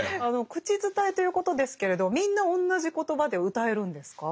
口伝えということですけれどみんな同じ言葉で謡えるんですか？